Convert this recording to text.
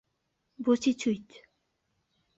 بۆچی چویت؟